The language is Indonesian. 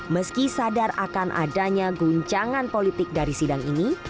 meski sadar akan adanya guncangan politik dari sidang ini